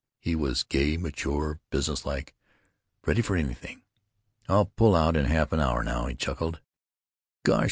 He was gay, mature, business like, ready for anything. "I'll pull out in half an hour now," he chuckled. "Gosh!"